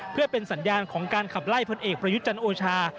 เพื่อเป็นสัญญาณของการขับไล่พลเอกประยุทธ์จันทร์โอชา